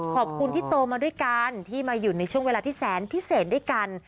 ขอบคุณที่โตมาด้วยกันที่มาอยู่ในช่วงเวลาที่แสนพิเศษด้วยกัน